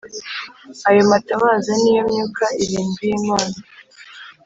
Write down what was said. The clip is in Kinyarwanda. Ayo matabaza ni yo Myuka irindwi y’Imana.